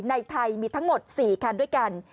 ในไทยมีทั้งหมด๔คันด้วยกัน